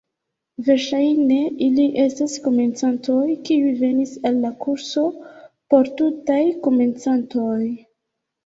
Verŝajne ili estas komencantoj, kiuj venis al la kurso por tutaj komencantoj.